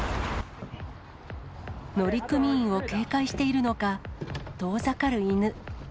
乗組員を警戒しているのか、遠ざかる犬。